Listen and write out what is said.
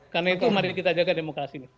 karena itu mari kita jaga demokrasi